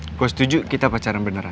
oke gue setuju kita pacaran beneran